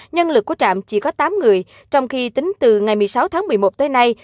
nhân lực của trạm chỉ có tám người trong khi tính từ ngày một mươi sáu tháng một mươi một tới nay